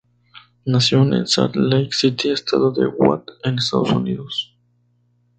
Nació en Salt Lake City, estado de Utah, en Estados Unidos.